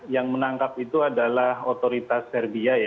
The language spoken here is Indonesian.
yang menangkap itu adalah otoritas serbia ya